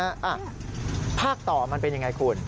อ้าภาพต่อมันเป็นอย่างไรคุณ